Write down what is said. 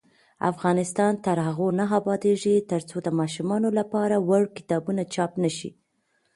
افغانستان تر هغو نه ابادیږي، ترڅو د ماشومانو لپاره وړ کتابونه چاپ نشي.